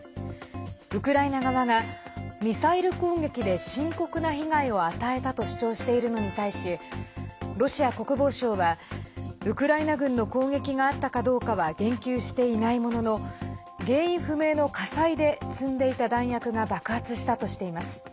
ウクライナ側がミサイル攻撃で深刻な被害を与えたと主張しているのに対しロシア国防省はウクライナ軍の攻撃があったかどうかは言及していないものの原因不明の火災で積んでいた弾薬が爆発したとしています。